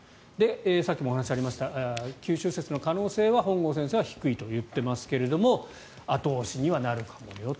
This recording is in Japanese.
さっきもお話がありました九州説の可能性は本郷先生は低いといっていますけれども後押しにはなるかもよと。